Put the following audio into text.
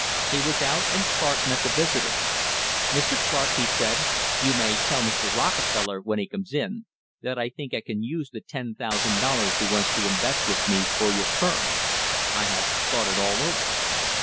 He was out, and Clark met the visitor. "Mr. Clark," he said, "you may tell Mr. Rockefeller, when he comes in, that I think I can use the $10,000 he wants to invest with me for your firm. I have thought it. all over."